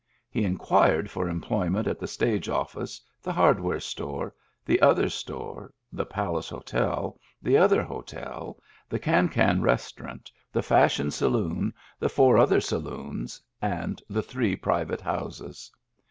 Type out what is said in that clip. He inquired for employ ment at the stage office, the hardware store, the other store, the Palace Hotel, the other hotel, the Can Can Restaurant, the Fashion Saloon, the Digitized by Google EXTRA DRY 213 four Other saloons, and the three private houses.